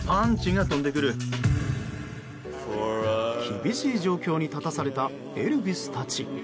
厳しい状況に立たされたエルビスたち。